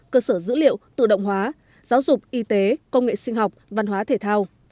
cơ sở dữ liệu tự động hóa giáo dục y tế công nghệ sinh học văn hóa thể thao